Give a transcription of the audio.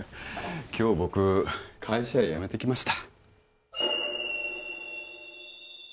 今日僕会社辞めてきました